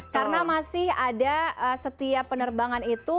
karena masih ada setiap penerbangan itu